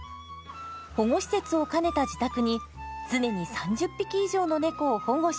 保護施設を兼ねた自宅に常に３０匹以上の猫を保護しています。